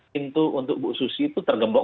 pintu untuk bu susi itu tergembok